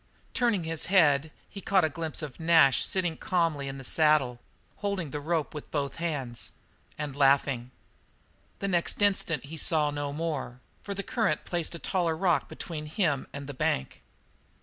Turning his head he caught a glimpse of Nash sitting calmly in his saddle, holding the rope in both hands and laughing. The next instant he saw no more, for the current placed a taller rock between him and the bank.